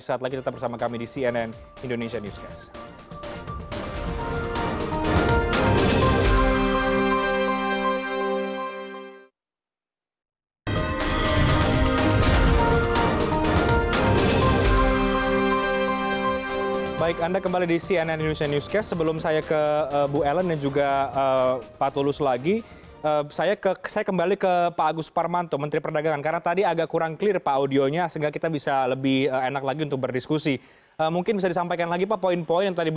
setelah itu tetap bersama kami di cnn indonesia newscast